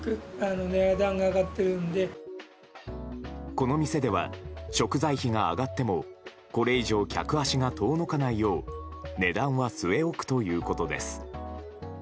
この店では食材費が上がってもこれ以上、客足が遠のかないよう値段は据え置くということです。